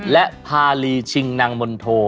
และพารีชิงนางมนโท